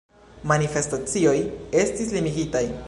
Manifestacioj estis limigitaj.